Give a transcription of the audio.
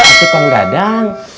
nggak itu kang dadang